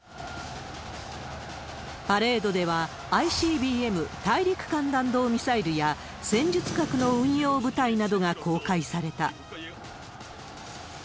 パレードでは、ＩＣＢＭ・大陸間弾道ミサイルや、戦術核の運用部隊などが公開された。